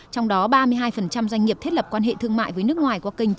trong đó ba mươi hai doanh nghiệp thiết lập quan hệ thương mại